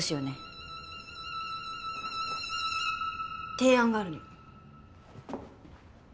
提案があるの。